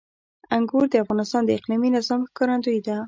انګور د افغانستان د اقلیمي نظام ښکارندوی ده.